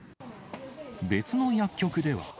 別の薬局では。